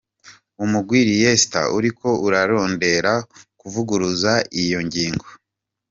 Umugwi Leicester uriko urarondera kuvuguruza iyo ngingo.